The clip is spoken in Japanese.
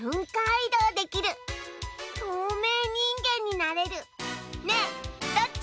いどうできるとうめいにんげんになれるねえどっち？